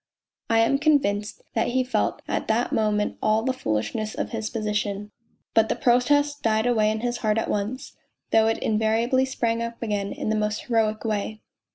I am convinced that he felt at that moment all the foolish: of his position ; but the protest died away in his heart at once, though it invariably sprang up again in the most heroic way.